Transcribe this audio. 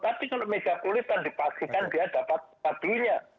tapi kalau megapulitan dipaksikan dia dapat padinya